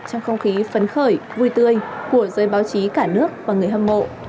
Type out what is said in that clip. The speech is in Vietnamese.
trong không khí phấn khởi vui tươi của giới báo chí cả nước và người hâm mộ